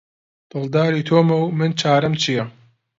دڵداری تۆمە و من چارەم چیە؟